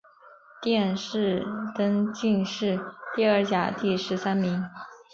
殿试登进士第二甲第十三名。